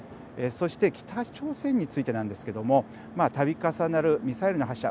そして北朝鮮についてなんですけどもたび重なるミサイルの発射